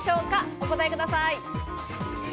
お答えください。